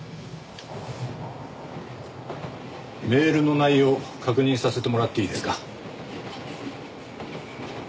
メールの内容確認させてもらっていいですか？